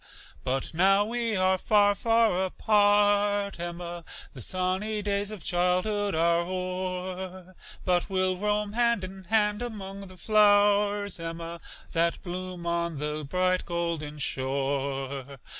But now we are far, far apart, Emma, The sunny days of childhood are o'er, But we'll roam hand in hand 'mong the flowers, Emma, That bloom on the Bright Golden Shore.